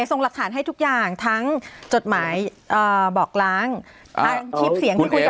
ส่งหลักฐานให้ทุกอย่างทั้งจดหมายบอกล้างคลิปเสียงที่คุยกับ